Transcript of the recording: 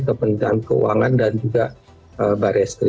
kementerian keuangan dan juga barriestri